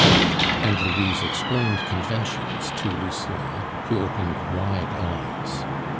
And Louise explained conventions to Lucien, who opened wide eyes.